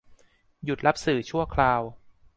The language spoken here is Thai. หยุดรับสื่อชั่วคราว